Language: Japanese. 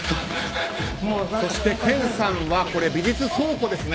そして健さんは美術倉庫ですね。